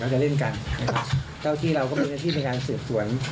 เราจะเล่นกันเจ้าที่เราก็เป็นเงินที่เป็นการเสือกส่วน